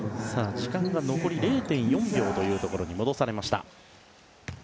時間が残り０．４秒というところに戻されました。